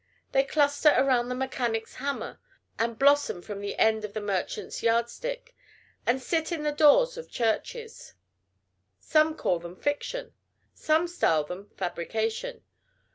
They cluster around the mechanic's hammer, and blossom from the end of the merchant's yard stick, and sit in the doors of churches. Some call them "fiction." Some style them "fabrication."